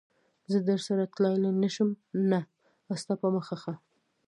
زه درسره تللای شم؟ نه، ستا په مخه ښه.